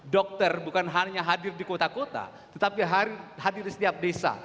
dokter bukan hanya hadir di kota kota tetapi hadir di setiap desa